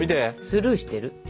スルーしてる？で？